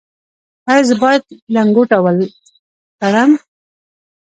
ایا زه باید لنګوټه ول تړم؟